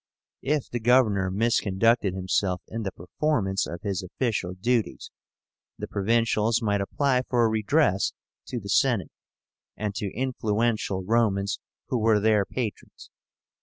If the governor misconducted himself in the performance of his official duties, the provincials might apply for redress to the Senate, and to influential Romans who were their patrons.